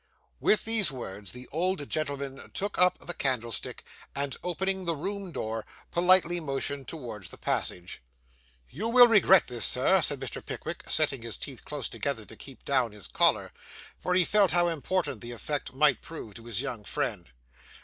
With these words the old gentleman took up the candle stick and opening the room door, politely motioned towards the passage. 'You will regret this, Sir,' said Mr. Pickwick, setting his teeth close together to keep down his choler; for he felt how important the effect might prove to his young friend.